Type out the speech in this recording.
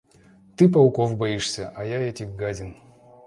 Ты пауков боишься, а я этих гадин.